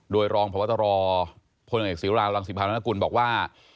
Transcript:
โดยรองพวัตรพอศิรารังสินภาพนักกุลบอกว่า